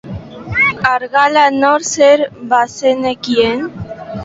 Argala nor zen bazenekien?